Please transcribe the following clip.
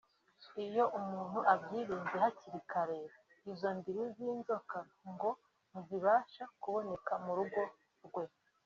Iyo umuntu abyirinze hakiri kare izo ndiri z'inzoka ngo ntizibasha kuboneka mu rugo rwe